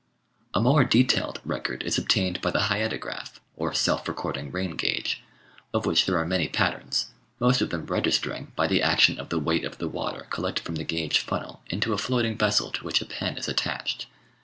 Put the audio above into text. A more detailed record is obtained by the Hyetograph, or self recording rain gauge, of which there are many patterns, most of them registering by the action of the weight of the water collected from the gauge funnel into a floating vessel to which a pen is attached.